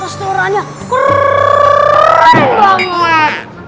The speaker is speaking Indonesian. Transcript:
restorannya keren banget